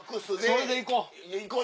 それでいこう。